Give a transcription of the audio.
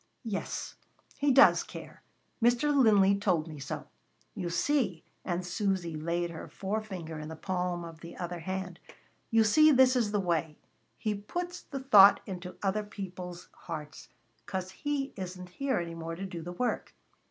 "Yes, He does care. Mr. Linley told me so. You see," and Susy laid her forefinger in the palm of the other hand, "you see this is the way: He puts the thought into other people's hearts, 'cause He isn't here any more to do the work."